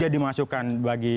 jadi masukan bagi